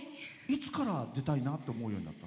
いつから出たいと思うように？